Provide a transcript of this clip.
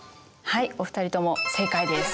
はいお二人とも正解です。